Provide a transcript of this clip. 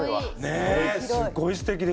ねえすごいすてきですね。